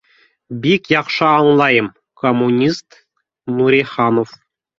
— Бик яҡшы аңлайым, коммунист Нуриханов